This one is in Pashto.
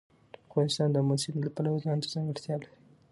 افغانستان د آمو سیند له پلوه ځانته ځانګړتیا لري.